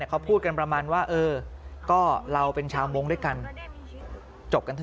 เขาพูดกันประมาณว่าเออก็เราเป็นชาวมงค์ด้วยกันจบกันทั้ง